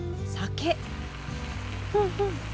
ふんふん。